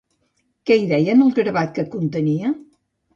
Què hi deia en el gravat que contenia?